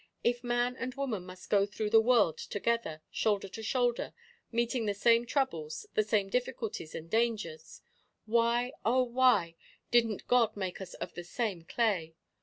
If man and woman must go through the world together, shoulder to shoulder, meeting the same troubles, the same difficulties and dangers, why, oh, why, didn't God make us of the same clay!